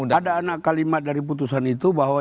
tidak ada anak kalimat dari putusan itu bahwa